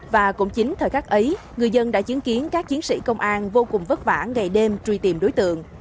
và cũng chính thời khắc ấy người dân đã chứng kiến các chiến sĩ công an vô cùng vất vả ngày đêm truy tìm đối tượng